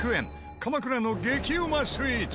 鎌倉の激うまスイーツ。